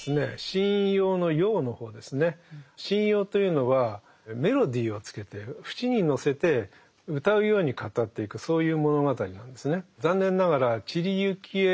神謡というのはメロディーをつけて節にのせて謡うように語っていくそういう物語なんですね。